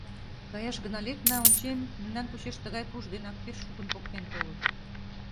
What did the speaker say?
Каяш гына лекна, ончем — мемнан почеш тыгай пуш денак пеш шукын поктен толыт.